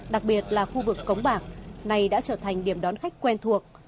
đặc biệt là khu vực cống bạc này đã trở thành điểm đón khách quen thuộc